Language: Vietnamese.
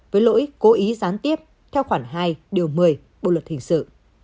với lỗi cố ý gián tiếp theo khoảng hai điều một mươi bộ luật hình sự